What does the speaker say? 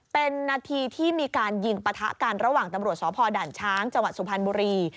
เป็นนาทีที่มีการยิงปะทะกันระหว่างตำรวจสพด่านช้างจังหวัดสุพรรณบุรี